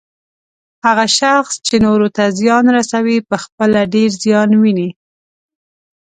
هغه شخص چې نورو ته زیان رسوي، پخپله ډیر زیان ويني